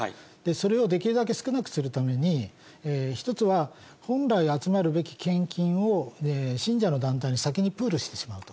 それをできるだけ少なくするために、１つは、本来集まるべき献金を信者の団体に先にプールしてしまうと。